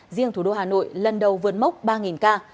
riêng thủ đô hà nội lần đầu vượt mốc ba ca